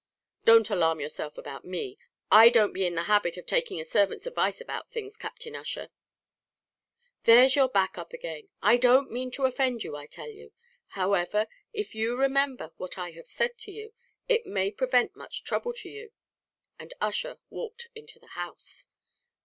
"Don't alarm yourself about me; I don't be in the habit of taking a servant's advice about things, Captain Ussher." "There's your back up again; I don't mean to offend you, I tell you; however, if you remember what I have said to you, it may prevent much trouble to you:" and Ussher walked into the house.